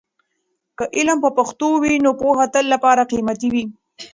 که علم په پښتو وي، نو پوهه تل لپاره قیمتي وي.